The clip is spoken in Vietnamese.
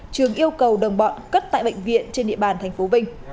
trường yêu cầu đồng bọn cất tại bệnh viện trên địa bàn tp vinh